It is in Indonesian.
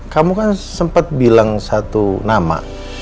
kamu kan sempat bilang satu nama